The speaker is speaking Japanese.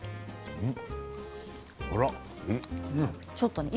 うん。